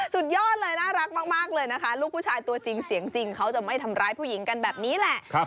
สุดยอดเลยน่ารักมากเลยนะคะลูกผู้ชายตัวจริงเสียงจริงเขาจะไม่ทำร้ายผู้หญิงกันแบบนี้แหละ